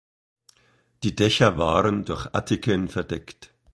Die Dächer waren durch Attiken verdeckt.